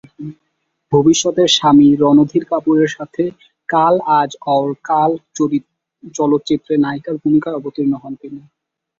ভবিষ্যতের স্বামী রণধীর কাপুরের সাথে কাল আজ অউর কাল চলচ্চিত্রে নায়িকার ভূমিকায় অবতীর্ণ হন তিনি।